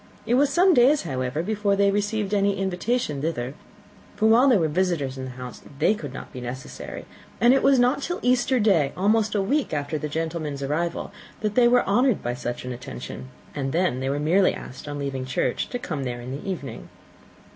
It was some days, however, before they received any invitation thither, for while there were visitors in the house they could not be necessary; and it was not till Easter day, almost a week after the gentlemen's arrival, that they were honoured by such an attention, and then they were merely asked on leaving church to come there in the evening.